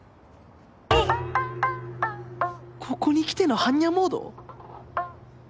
ここにきての般若モード⁉